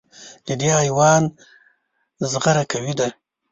د دې حیوان زغره قوي ده.